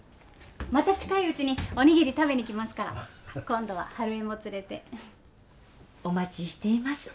また近いうちにおにぎり食べに来ますから今度は春恵も連れてお待ちしています